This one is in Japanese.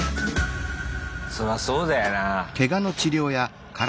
そらそうだよな。